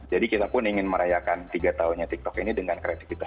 jadi kita pun ingin merayakan tiga tahunnya tiktok ini dengan kreativitas